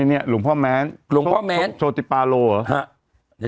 นี่หลวงพ่อแม้นย์โชติบปาโลเหรอ